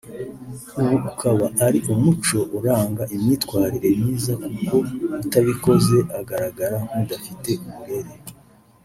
ubu ukaba ari umuco uranga imyitwarire myiza kuko utabikoze agaragara nk’udafite uburere